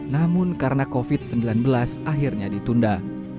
namun karena covid sembilan belas akhirnya ditunda